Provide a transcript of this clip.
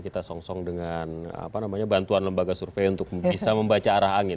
kita song song dengan bantuan lembaga survei untuk bisa membaca arah angin